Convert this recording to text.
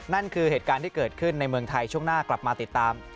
นั่นคือเหตุการณ์ที่เกิดขึ้นในเมืองไทยช่วงหน้ากลับมาติดตาม